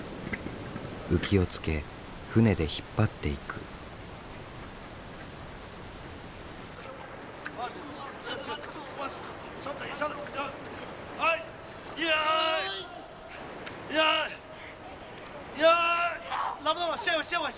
浮きをつけ船で引っ張っていく。よ！よ！よ！